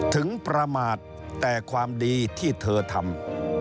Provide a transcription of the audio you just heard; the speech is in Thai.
ถึงประมาทแต่ความดีที่เธอทำ